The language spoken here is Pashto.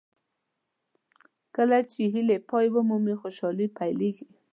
کله چې هیلې پای ومومي خوشالۍ پیلېږي.